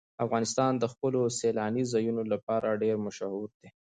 افغانستان د خپلو سیلاني ځایونو لپاره ډېر مشهور دی.